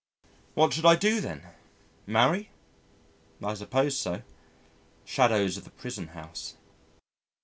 ... What should I do then? Marry? I suppose so. Shadows of the prison house.